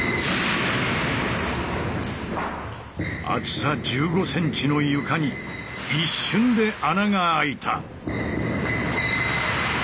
厚さ１５ｃｍの床に一瞬で穴が開いた！